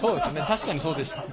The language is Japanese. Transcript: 確かにそうでした。